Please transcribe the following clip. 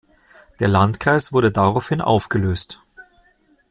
Der Landkreis wurde daraufhin aufgelöst.